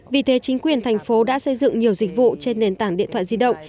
vì thế chính quyền thành phố đã xây dựng nhiều dịch vụ trên nền tảng điện thoại di động